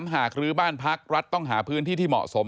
หารกรื้อบ้านพักรัฐต้องหาพื้นที่ที่เหมาะสม